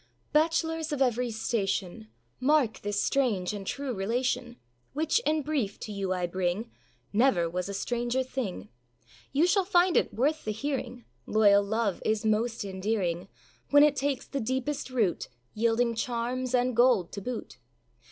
BACHELORS of every station, Mark this strange and true relation, Which in brief to you I bring,â Never was a stranger thing! You shall find it worth the hearing; Loyal love is most endearing, When it takes the deepest root, Yielding charms and gold to boot.